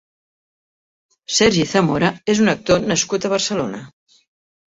Sergi Zamora és un actor nascut a Barcelona.